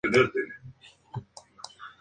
Se encuentra al norte de Java.